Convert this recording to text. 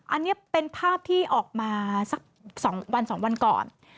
อันนี้เป็นภาพที่ออกมาสัก๒วัน๒วันก่อน